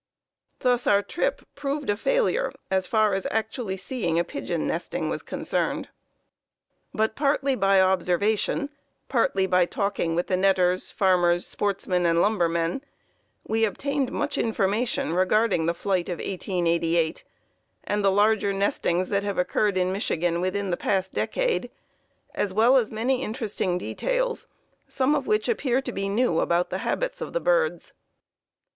Thus our trip proved a failure as far as actually seeing a pigeon 'nesting' was concerned; but partly by observation, partly by talking with the netters, farmers, sportsmen, and lumbermen, we obtained much information regarding the flight of 1888, and the larger nestings that have occurred in Michigan within the past decade, as well as many interesting details, some of which appear to be new about the habits of the birds.